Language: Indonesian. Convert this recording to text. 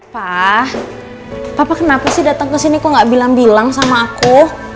pak papa kenapa sih datang kesini kok gak bilang bilang sama aku